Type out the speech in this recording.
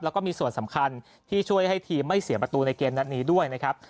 แล้วก็มีส่วนสำคัญที่ช่วยให้ทีมไม่เสียประตูในเกมนัดนี้ด้วยนะครับ